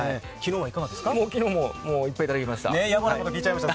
昨日もいっぱいいただきました。